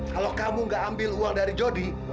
kalau kamu gak ambil uang dari jody